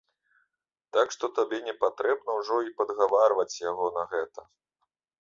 Так што табе не патрэбна ўжо і падгаварваць яго на гэта.